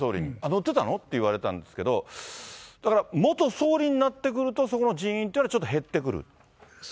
乗ってたの？って言われたんですけど、だから、元総理になってくると、そこの人員というのはちょっと減ってくる？